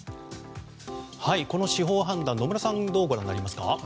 この司法判断、野村さんはどのようにご覧になりますか。